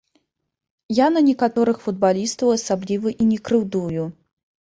Я на некаторых футбалістаў асабліва і не крыўдую.